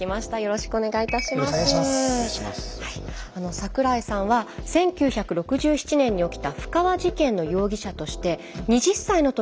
桜井さんは１９６７年に起きた布川事件の容疑者として２０歳のときに逮捕されました。